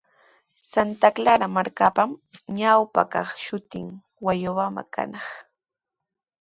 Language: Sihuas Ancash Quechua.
Santa Clara markapa ñawpa kaq shutinshi Huayobamba kanaq.